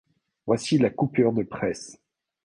Voici la coupure de presse.